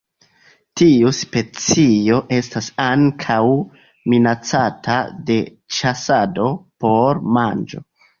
Tiu specio estas ankaŭ minacata de ĉasado por manĝo.